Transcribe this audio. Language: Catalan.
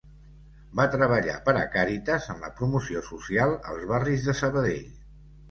Va treballar per a Càritas en la promoció social als barris de Sabadell.